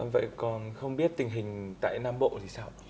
vậy còn không biết tình hình tại nam bộ gì sao